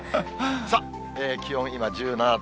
さあ、気温今１７度。